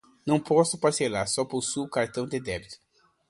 Não posso parcelar, só possuo cartão de débito.